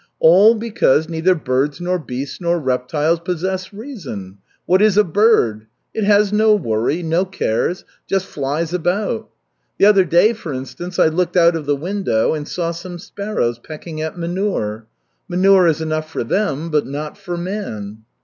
"All because neither birds nor beasts nor reptiles possess reason. What is a bird? It has no worry, no cares just flies about. The other day, for instance, I looked out of the window and saw some sparrows pecking at manure. Manure is enough for them but not for man."